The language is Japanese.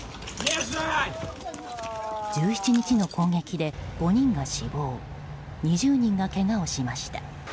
１７日の攻撃で、５人が死亡２０人がけがをしました。